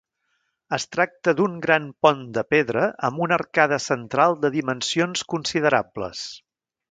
Es tracta d'un gran pont de pedra amb una arcada central de dimensions considerables.